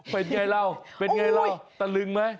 เป็นไงเราเป็นไงเราตะลึงไหม